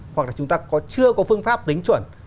hoặc là chúng ta chưa có phương pháp tính chuẩn